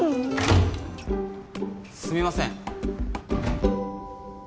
すみません。